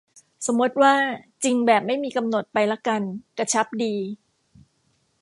สมมติว่าจริงแบบไม่มีกำหนดไปละกัน กระชับดี